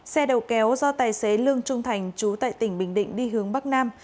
xe đầu kéo do tài xế lương trung thành chú tại tỉnh bình định đi hướng bắc nam